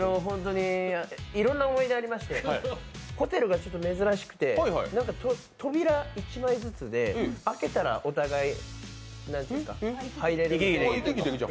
いろんな思い出ありまして、ホテルがちょっと珍しくて扉一枚ずつで開けたら、お互い入れる。